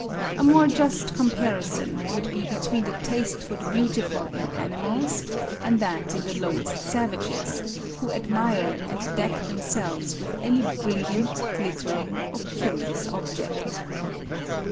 A more just comparison would be between the taste for the beautiful in animals, and that in the lowest savages, who admire and deck themselves with any brilliant, glittering, or curious object.